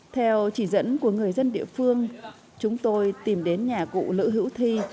theo chỉ dẫn của người dân địa phương chúng tôi tìm đến nhà cụ nữ hữu thi